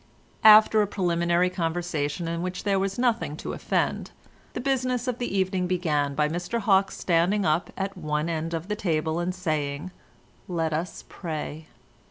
After a preliminary conversation in which there was nothing to offend, the business of the evening began by Mr Hawke's standing up at one end of the table, and saying "Let us pray."